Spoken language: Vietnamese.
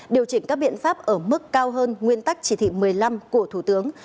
điều chỉnh các biện pháp ở mức cao hơn nguyên tắc chỉ thị một mươi năm của thủ tướng